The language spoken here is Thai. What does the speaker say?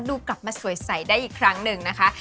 ดูกลับมาสวยใสได้อีกครั้งหนึ่งนะคะ